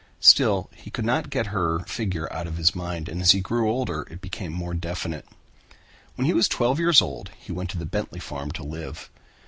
Still he could not get her figure out of his mind and as he grew older it became more definite. When he was twelve years old he went to the Bentley farm to live.